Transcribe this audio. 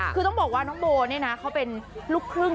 คือต้องบอกว่าน้องโบเนี่ยนะเขาเป็นลูกครึ่ง